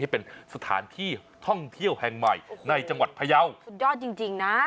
เป็นสถานที่ท่องเที่ยวแห่งใหม่ในจังหวัดพยาวสุดยอดจริงนะ